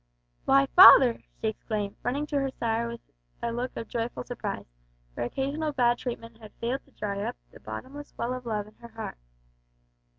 "Why, father!" she exclaimed, running to her sire with a look of joyful surprise, for occasional bad treatment had failed to dry up the bottomless well of love in her little heart.